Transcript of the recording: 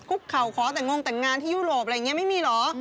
คุกเข่าขอแต่งงแต่งงานที่ยุโรปอะไรอย่างนี้ไม่มีเหรอ